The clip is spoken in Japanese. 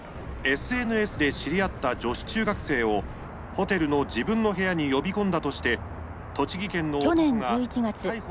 「ＳＮＳで知り合った女子中学生をホテルの自分の部屋に呼び込んだとして栃木県の男が逮捕されました」。